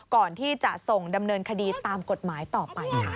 ก่อนที่จะส่งดำเนินคดีตามกฎหมายต่อไปค่ะ